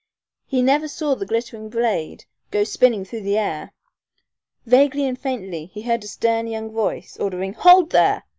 He never saw the glittering blade go spinning through the air. Vaguely, faintly he heard a stern young voice ordering "Hold there!"